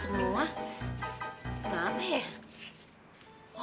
oh iya minuman buat temen temenan lora